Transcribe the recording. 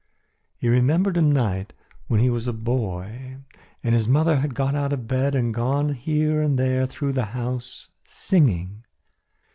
He remembered a night when he was a boy and his mother had got out of bed and gone here and there through the house singing.